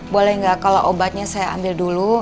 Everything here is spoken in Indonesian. boleh nggak kalau obatnya saya ambil dulu